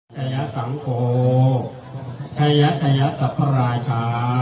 ชะยะสังโภคชะยะชะยะสัพพระรายชะ